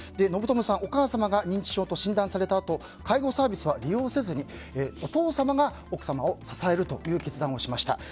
信友さん、お母様が認知症と診断されたあと介護サービスは利用せずにお父様が奥様を支えるという決断をしました。